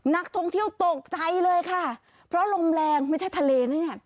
นักท่องเที่ยวตกใจเลยค่ะเพราะลมแรงไม่ใช่ทะเลนะเนี่ย